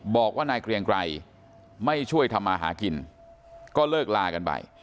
บอกว่านายเกรียงไกรไม่ช่วยทำมาหากินก็เลิกลากันไป